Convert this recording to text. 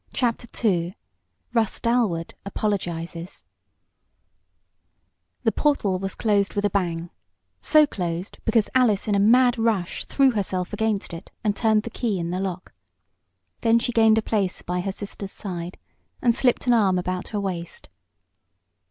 CHAPTER II RUSS DALWOOD APOLOGIZES The portal was closed with a bang so closed because Alice in a mad rush threw herself against it and turned the key in the lock. Then she gained a place by her sister's side, and slipped an arm about her waist.